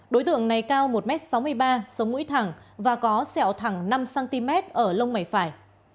đối tượng này cao một m sáu mươi ba sống mũi thẳng và có sẹo thẳng năm cm ở lông mày phải